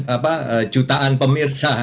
apa jutaan pemirsa